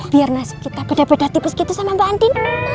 biar nasib kita beda beda tipe segitu sama mbak andin